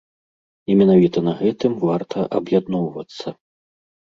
І менавіта на гэтым варта аб'ядноўвацца.